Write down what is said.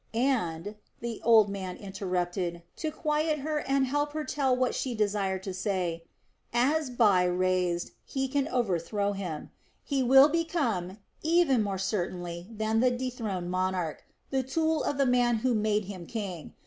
"And," the old man interrupted, to quiet her and help her tell what she desired to say, "as Bai raised, he can overthrow him. He will become, even more certainly than the dethroned monarch, the tool of the man who made him king.